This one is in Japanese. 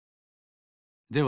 では